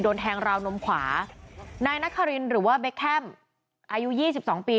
โดนแทงราวนมขวานายนครินหรือว่าเบคแคมอายุยี่สิบสองปี